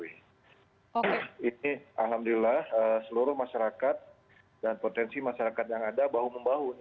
ini alhamdulillah seluruh masyarakat dan potensi masyarakat yang ada bahu membahu